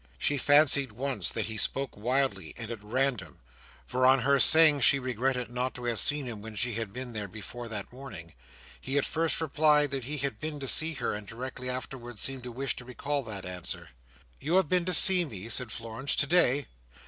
She fancied once that he spoke wildly, and at random; for on her saying she regretted not to have seen him when she had been there before that morning, he at first replied that he had been to see her, and directly afterwards seemed to wish to recall that answer. "You have been to see me?" said Florence. "Today?"